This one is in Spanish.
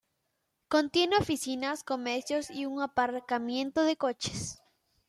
Contiene oficinas, comercios y un aparcamiento de coches.